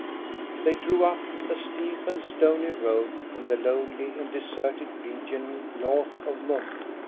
They drove up a steep and stony road in the lonely and deserted region north of Munkeby.